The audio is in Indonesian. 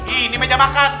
ini meja makan